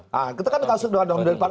nah kita kan masuk ke dalam